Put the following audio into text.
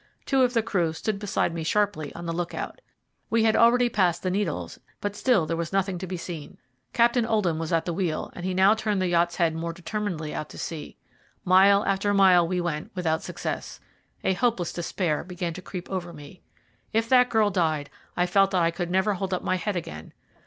Two of the crew stood beside me sharply on the look out. We had already passed the Needles, but still there was nothing to be seen. Captain Oldham was at the wheel, and he now turned the yacht's head more determinedly out to sea. Mile after mile we went, without success. A hopeless despair began to creep over me. If that girl died, I felt that I could never hold up my head again.